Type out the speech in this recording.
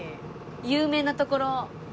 有名なところ。